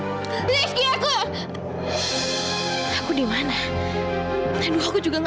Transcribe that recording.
aku harus bisa lepas dari sini sebelum orang itu datang